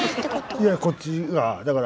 いやこっちがだから。